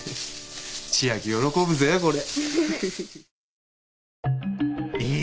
千明喜ぶぜこれ。